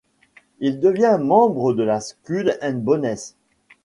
Il devient membre de la Skull and Bones.